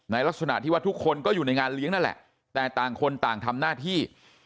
ลักษณะที่ว่าทุกคนก็อยู่ในงานเลี้ยงนั่นแหละแต่ต่างคนต่างทำหน้าที่